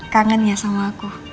kangen ya sama aku